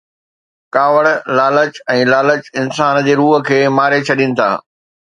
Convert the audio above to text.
ڪاوڙ، لالچ ۽ لالچ انسان جي روح کي ماري ڇڏين ٿا.